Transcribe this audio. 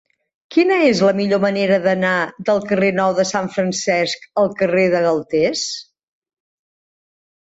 Quina és la millor manera d'anar del carrer Nou de Sant Francesc al carrer de Galtés?